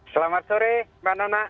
selamat sore mbak nana